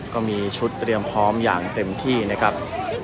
ก็มีชุดเตรียมพร้อมอย่างเต็มที่นะครับ